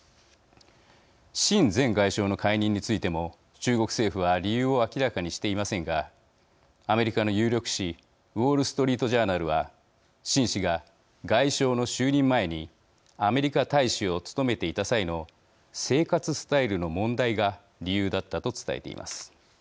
秦前外相の解任についても中国政府は理由を明らかにしていませんがアメリカの有力紙ウォール・ストリート・ジャーナルは秦氏が外相の就任前にアメリカ大使を務めていた際の生活スタイルの問題が理由だったと伝えています。